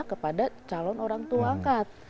kepada calon orang tua angkat